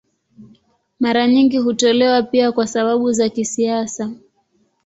Mara nyingi hutolewa pia kwa sababu za kisiasa.